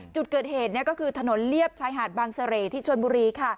จุดเกิดเหตุก็คือถนนเลียบชายหาดบางเสร่ที่ชนบุรี